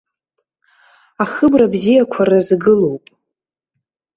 Ахыбра бзиақәа рызгылоуп.